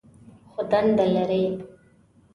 خو دنده لري.